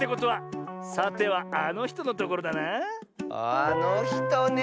あのひとね！